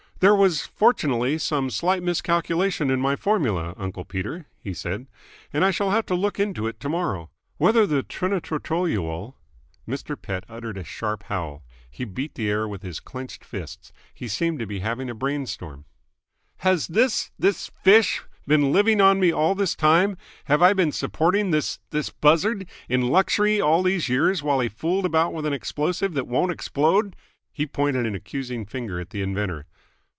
"There was fortunately some slight miscalculation in my formula, uncle Peter," he said. "I shall have to look into it to morrow. Whether the trinitrotoluol " Mr. Pett uttered a sharp howl. He beat the air with his clenched fists. He seemed to be having a brain storm. "Has this this fish been living on me all this time have I been supporting this this buzzard in luxury all these years while he fooled about with an explosive that won't explode! He pointed an accusing finger at the inventor.